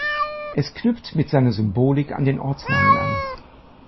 Es knüpft mit seiner Symbolik an den Ortsnamen an.